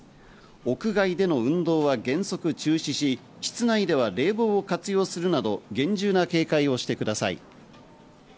屋外での運動は原則中止し、室内では冷房を活用するなど厳重な警戒をしてください。